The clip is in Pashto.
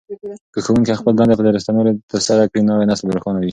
که ښوونکي خپلې دندې په رښتینولۍ ترسره کړي نو نسل به روښانه شي.